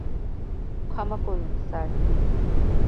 ক্ষমা করুন, স্যার।